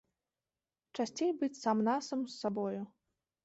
Часцей быць сам-насам з сабой.